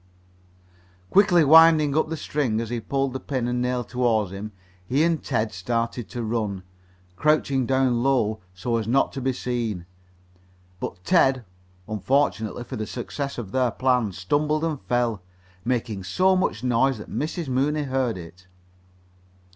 Quickly winding up the string as he pulled the pin and nail toward him, he and Ted started to run, crouching down low so as not to be seen. But Ted, unfortunately for the success of their plan, stumbled and fell, making so much noise that Mrs. Mooney heard it.